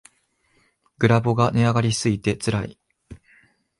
グラボが値上がりしすぎてつらい